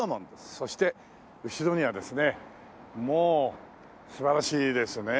そして後ろにはですねもう素晴らしいですね。